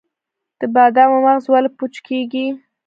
د بادامو مغز ولې پوچ کیږي؟